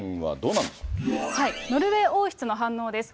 ノルウェー王室の反応です。